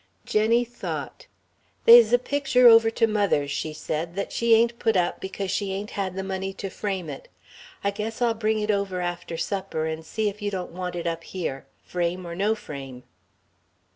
Jenny thought. "They's a picture over to mother's," she said, "that she ain't put up because she ain't had the money to frame it. I guess I'll bring it over after supper and see if you don't want it up here frame or no frame."